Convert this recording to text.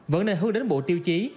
vẫn nên hướng đến bộ tiêu chí